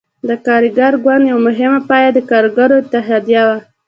د کارګر ګوند یوه مهمه پایه د کارګرو اتحادیه وه.